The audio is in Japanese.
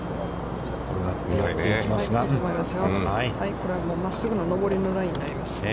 これは真っすぐの上りのラインになります。